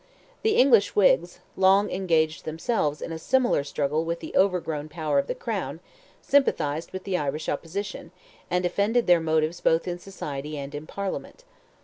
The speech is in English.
The English Whigs, long engaged themselves in a similar struggle with the overgrown power of the crown, sympathized with the Irish opposition, and defended their motives both in society and in Parliament.